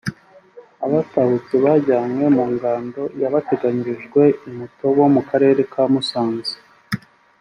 Abatahutse bajyanywe mu ngando yabateganyirijwe i Mutobo mu Karere ka Musanze